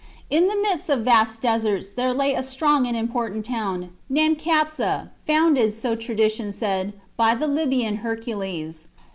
In the midst of vast deserts there lay a strong and important town, named Capsa, founded, so tradition said, by the Libyan Hercules.